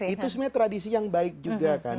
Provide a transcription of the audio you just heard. itu sebenarnya tradisi yang baik juga kan